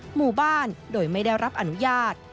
หมู่บ้านโดยไม่ได้รับอนุญาต